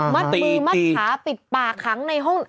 มัดมือมัดขาปิดปากขังในห้อง